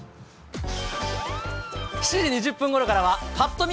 ７時２０分ごろからは、ぱっと見？